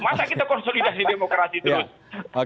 masa kita konsolidasi demokrasi terus